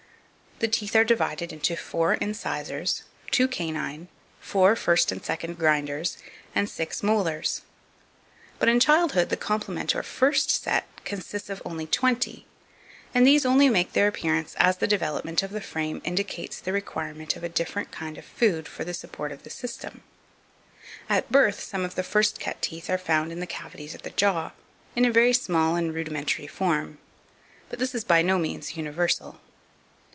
The teeth are divided into 4 incisors, 2 canine, 4 first and second grinders, and 6 molars; but in childhood the complement or first set consists of only twenty, and these only make their appearance as the development of the frame indicates the requirement of a different kind of food for the support of the system. At birth some of the first cut teeth are found in the cavities of the jaw, in a very small and rudimentary form; but this is by no means universal.